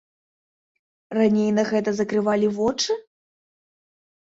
Раней на гэта закрывалі вочы?